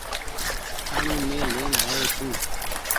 ڏآڻو مين لين آيو ڇون ۔